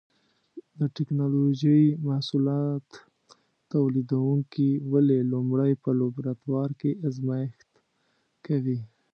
د ټېکنالوجۍ محصولاتو تولیدوونکي ولې لومړی په لابراتوار کې ازمېښت کوي؟